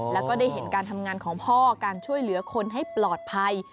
แล้วก็ได้เห็นการทำงานของพ่อการช่วยเหลือคนให้ปลอดภัย